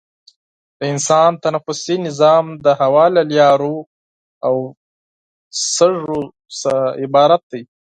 د انسان تنفسي سیستم د هوا له لارو او سږو څخه عبارت دی.